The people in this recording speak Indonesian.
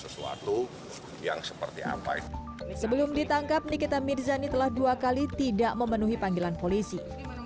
sebelum ditangkap nikita mirzani telah dua kali tidak memenuhi panggilan polisi